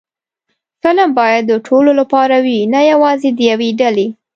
فلم باید د ټولو لپاره وي، نه یوازې د یوې ډلې